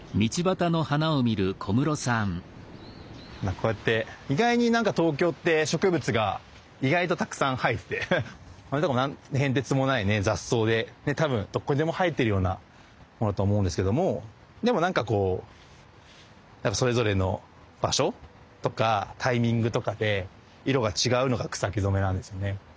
こうやって意外になんか東京って植物が意外とたくさん生えててこれとかも何の変哲もない雑草で多分どこにでも生えてるようなものと思うんですけどもでもなんかこうそれぞれの場所とかタイミングとかで色が違うのが草木染めなんですよね。